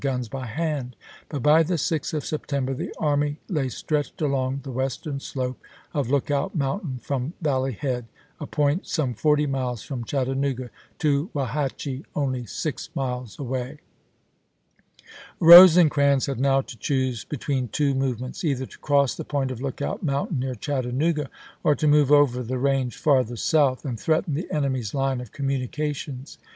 guns by hand. But by the 6th of September the army lay stretched along the western slope of Lookout Mountain from Valley Head, a point some forty miles from Chattanooga, to Wauhatchie, only six miles away. Rosecrans had now to choose between two movements — either to cross the point of Lookout Mountain, near Chattanooga, or to move over the range farther south and threaten the enemy's line of communications.